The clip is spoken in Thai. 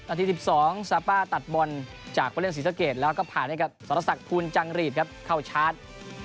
นาที๑๒ซาป้าตัดบอลจากพระเรียนศีรษะเกรดแล้วก็ผ่านให้กับสรศักดิ์ภูมิจังหลีดครับเข้าชาร์จ